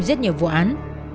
rất nhiều vụ án